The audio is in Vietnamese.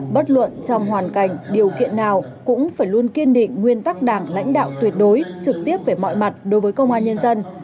bất luận trong hoàn cảnh điều kiện nào cũng phải luôn kiên định nguyên tắc đảng lãnh đạo tuyệt đối trực tiếp về mọi mặt đối với công an nhân dân